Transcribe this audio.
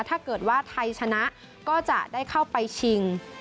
ถ้าเกิดว่าไทยชนะก็จะได้เข้าไปชิง